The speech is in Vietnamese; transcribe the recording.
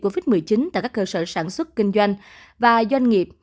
covid một mươi chín tại các cơ sở sản xuất kinh doanh và doanh nghiệp